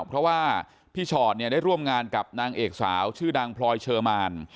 เพราะว่าพี่ชอตได้ร่วมงานกับนางเอกสาวชื่อดังพลอยเชอร์มาน